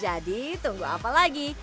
jadi tunggu apa lagi